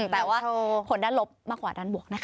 แต่ว่าผลด้านลบมากกว่าด้านบวกนะคะ